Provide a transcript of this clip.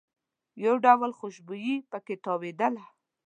یو ډول خوشبويي په کې تاوېدله.